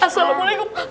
eh kamu udah ngerti